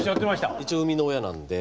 一応生みの親なんで。